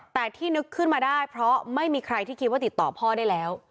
แต่ที่นึกขึ้นมาได้เพราะไม่มีใครที่คิดว่าติดต่อพ่อได้แล้ว